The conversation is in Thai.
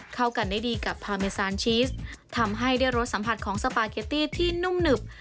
เข้ากันได้ดีกับพาเมซานชีสทำให้ได้รสสัมผัสของสปาเกตตี้ที่นุ่มหนึบ